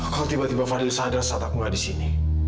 kalau tiba tiba fadil sadar saat aku gak disini